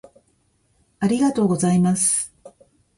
ありがとうございます